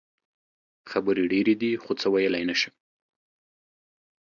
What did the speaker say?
خبرې ډېرې دي خو څه ویلې نه شم.